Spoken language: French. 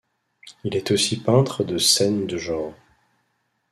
Il est aussi peintre de scènes de genre.